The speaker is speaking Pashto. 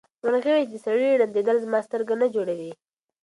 مرغۍ وویل چې د سړي ړندېدل زما سترګه نه جوړوي.